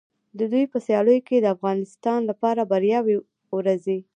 د دوی په سیالیو کې د افغانستان لپاره بریاوې ورځي.